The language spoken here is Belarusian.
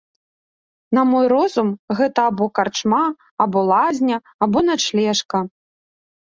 На мой розум, гэта або карчма, або лазня, або начлежка.